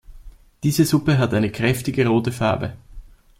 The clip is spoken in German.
Diese Suppe hat eine kräftige rote Farbe.